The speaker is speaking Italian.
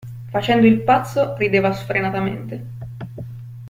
Facendo il pazzo, rideva sfrenatamente.